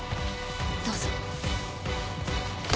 どうぞ。